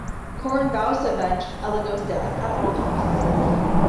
Corran vows to avenge Elegos's death at all costs.